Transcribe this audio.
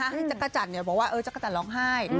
ให้จักรจันทร์บอกว่าจักรจันทร์ร้องไห้